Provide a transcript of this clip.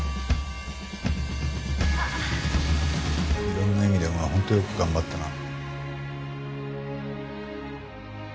いろんな意味でお前は本当よく頑張ったな。